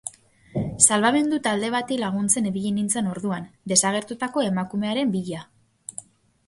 Salbamendu talde bati laguntzen ibili nintzen orduan, desagertutako emakumearen bila.